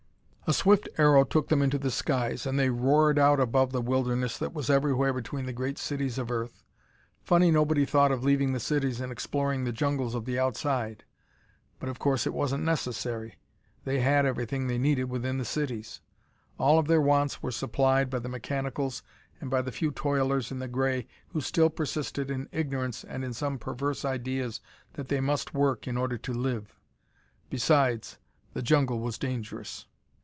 A swift aero took them into the skies and they roared out above the wilderness that was everywhere between the great cities of earth. Funny nobody thought of leaving the cities and exploring the jungles of the outside. But, of course, it wasn't necessary. They had everything they needed within the cities. All of their wants were supplied by the mechanicals and by the few toilers in the gray who still persisted in ignorance and in some perverse ideas that they must work in order to live. Besides, the jungle was dangerous.